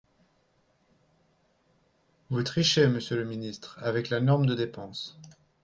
Vous trichez, monsieur le ministre, avec la norme de dépenses.